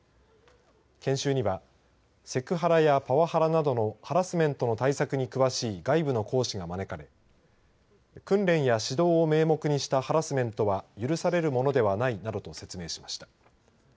研修にはセクハラやパワハラなどのハラスメントの対策に詳しい外部の講師が招かれ訓練や指導を名目にしたハラスメントは許されるものではないなどと説明しました。